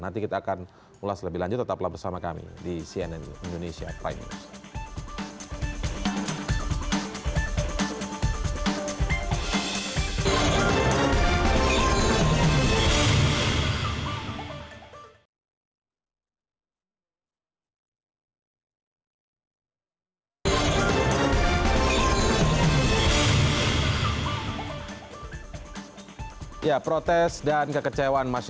nanti kita akan ulas lebih lanjut tetaplah bersama kami di cnn indonesia prime news